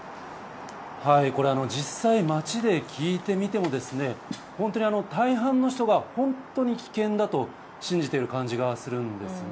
これは、実際街で聞いてみても本当に大半の人が本当に危険だと信じている感じがするんですね。